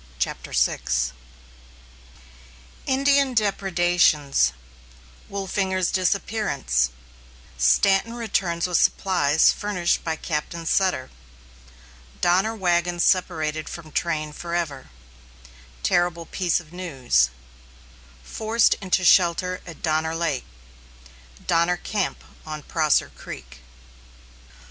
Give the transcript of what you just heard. ] CHAPTER VI INDIAN DEPREDATIONS WOLFINGER'S DISAPPEARANCE STANTON RETURNS WITH SUPPLIES FURNISHED BY CAPTAIN SUTTER DONNER WAGONS SEPARATED FROM TRAIN FOREVER TERRIBLE PIECE OF NEWS FORCED INTO SHELTER AT DONNER LAKE DONNER CAMP ON PROSSER CREEK.